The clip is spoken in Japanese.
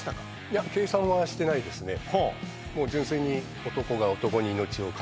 いや計算はしてないですね